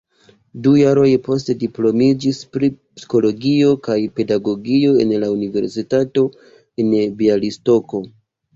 Du jarojn poste diplomiĝis pri psikologio kaj pedagogio en la Universitato en Bjalistoko.